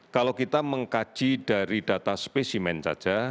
kalau kita mengkaji dari data spesimen saja